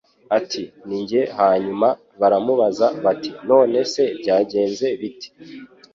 ati ni jye hanyuma baramubaza bati none se byagenze bite